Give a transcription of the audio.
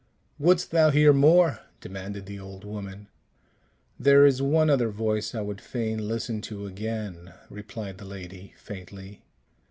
"Wouldst thou hear more?" demanded the old woman. "There is one other voice I would fain listen to again," replied the lady, faintly.